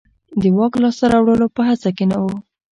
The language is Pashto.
د واک لاسته راوړلو په هڅه کې نه و.